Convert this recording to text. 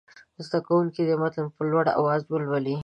زده کوونکي دې متن په لوړ اواز ولولي.